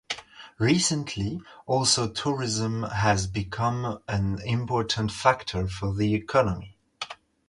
Recently, also tourism has become an important factor for the economy.